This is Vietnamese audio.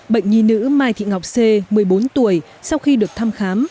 bệnh nhi nữ mai thị ngọc sê một mươi bốn tuổi sau khi được thăm khám